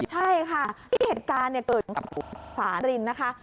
ใช่ค่ะเองตัวเองผ่านรินนะคะ